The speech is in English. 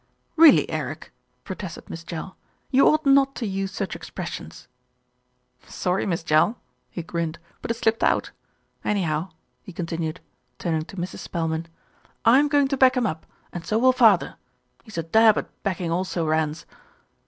"Really, Eric," protested Miss Jell, "you ought not to use such expressions." "Sorry, Miss Jell," he grinned, "but it slipped out. Anyhow," he continued, turning to Mrs. Spelman, "I'm going to back him up, and so will father. He's a dab at backing also rans."